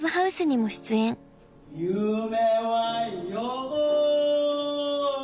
「夢は夜」